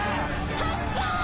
発射！